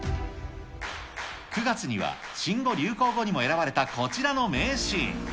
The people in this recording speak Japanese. ９月には新語・流行語にも選ばれたこちらの名シーン。